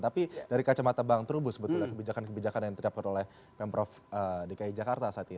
tapi dari kacamata bank terubu sebetulnya kebijakan kebijakan yang terdapat oleh member of dki jakarta saat ini